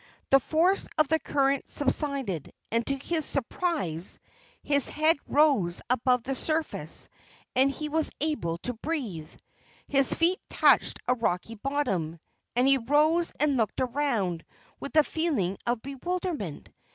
The force of the current subsided, and to his surprise his head rose above the surface and he was able to breathe. His feet touched a rocky bottom, and he rose and looked around with a feeling of bewilderment.